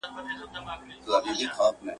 o د يوه سود د بل زيان.